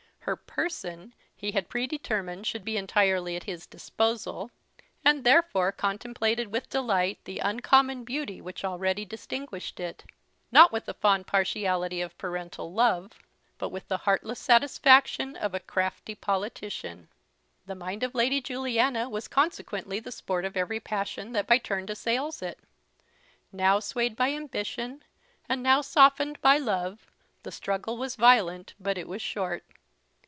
Her person he had predetermined should be entirely at his disposal, and therefore contemplated with delight the uncommon beauty which already distinguished it; not with the fond partiality of parental love, but with the heartless satisfaction of a crafty politician. The mind of Lady Juliana was consequently the sport of every passion that by turns assailed it. Now swayed by ambition, and now softened by love, the struggle was violent, but it was short.